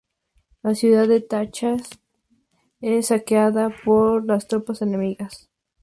La ciudad de Tacna es saqueada por las tropas enemigas.